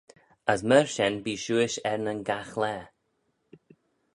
As myr shen bee shuish er nyn gaghlaa.